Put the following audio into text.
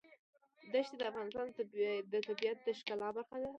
ښتې د افغانستان د طبیعت د ښکلا برخه ده.